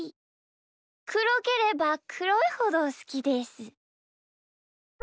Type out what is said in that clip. くろければくろいほどすきです。